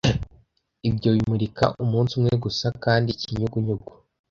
ibyo bimurika umunsi umwe gusa kandi ikinyugunyugu